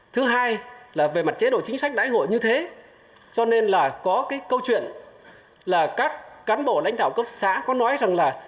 thứ hai là về mặt chế độ chính sách đại hội như thế cho nên là có cái câu chuyện là các cán bộ lãnh đạo cấp xã có nói rằng là